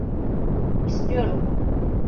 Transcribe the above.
İstiyorum.